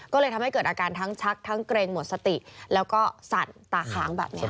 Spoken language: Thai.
ก็เลยทำให้เกิดอาการทั้งชักทั้งเกรงหมดสติแล้วก็สั่นตาค้างแบบนี้